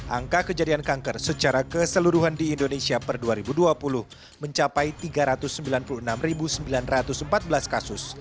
angka kejadian kanker secara keseluruhan di indonesia per dua ribu dua puluh mencapai tiga ratus sembilan puluh enam sembilan ratus empat belas kasus